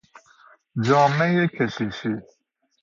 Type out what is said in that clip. جامهی کشیشی